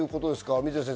水野先生。